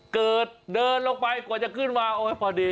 เดินลงไปกว่าจะขึ้นมาโอ้ยพอดี